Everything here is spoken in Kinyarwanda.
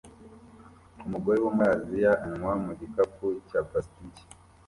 Umugore wo muri Aziya anywa mugikapu cya plastiki